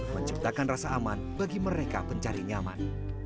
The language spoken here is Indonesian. menciptakan rasa aman bagi mereka pencari nyaman